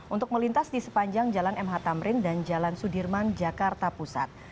untuk melintas di sepanjang jalan mh tamrin dan jalan sudirman jakarta pusat